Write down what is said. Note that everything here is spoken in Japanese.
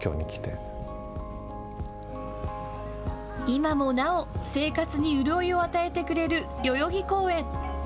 今もなお、生活に潤いを与えてくれる代々木公園。